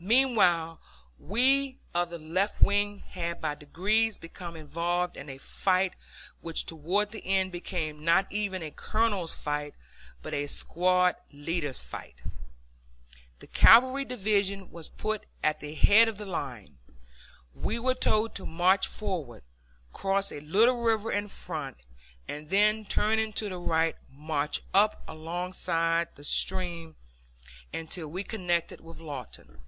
Meanwhile we of the left wing had by degrees become involved in a fight which toward the end became not even a colonel's fight, but a squad leader's fight. The cavalry division was put at the head of the line. We were told to march forward, cross a little river in front, and then, turning to the right, march up alongside the stream until we connected with Lawton.